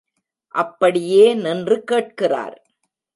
அப்படியே நின்று கேட்கிறார்.